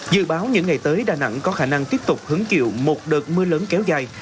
dự báo những ngày tới đà nẵng có khả năng tiếp tục hứng chịu một đợt mưa lớn kéo dài